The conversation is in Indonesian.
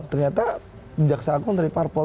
ternyata jaksa agung dari parpol